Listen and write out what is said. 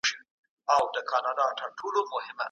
د اقتصادي تعاون غوښتنه روا ده.